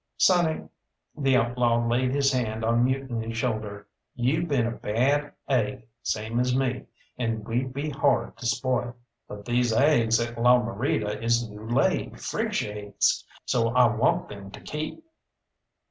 "Sonny" the outlaw laid his hand on Mutiny's shoulder "you been a bad aig same as me, and we'd be hard to spoil. But these aigs at La Morita is new laid, fresh aigs, so I wan' them to keep."